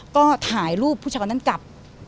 ก็ถ่ายรูปผู้ชายคนนั้นกลับ